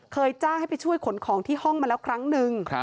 จ้างให้ไปช่วยขนของที่ห้องมาแล้วครั้งนึง